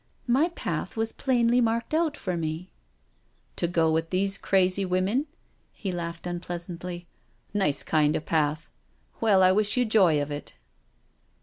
My path was plainly marked out for me." " To go with these crazy women?" He laughed un AT THE WEEK END COTTAGE 177 pleasantly. " Nice kind o* path I Well, I wish you joy of it."